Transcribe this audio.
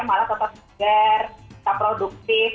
malah tetap segar tetap produktif